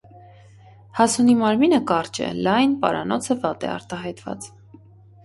Հասունի մարմինը կարճ է, լայն, պարանոցը վատ է արտահայտված։